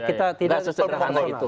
kita tidak sesederhana itu